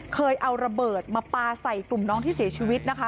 เคยเอาระเบิดมาปลาใส่กลุ่มน้องที่เสียชีวิตนะคะ